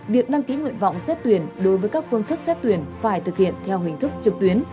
việc đăng ký nguyện vọng xét tuyển đối với các phương thức xét tuyển phải thực hiện theo hình thức trực tuyến